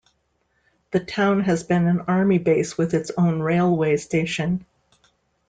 The town has been an army base with its own railway station.